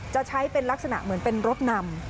จะใช้เป็นลักษณะเหมือนเป็นรถนำ